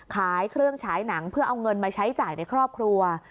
ขายเครื่องฉายหนังเพื่อเอาเงินมาใช้จ่ายในครอบครัว